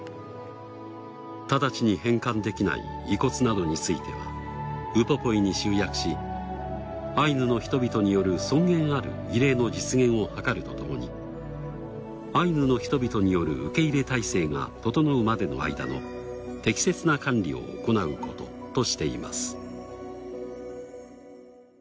ただちに返還できない遺骨などについてはウポポイに集約しアイヌの人々による尊厳ある慰霊の実現を図るとともにアイヌの人々による受け入れ体制が整うまでの間の適切な管理を行うこととしています。